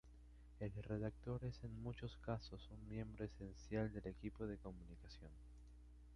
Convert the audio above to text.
El redactor es en muchos casos un miembro esencial del equipo de comunicación.